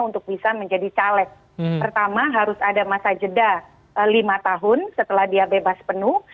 untuk bisa menjadi caleg pertama harus ada masa jeda lima tahun setelah dia bebas penuh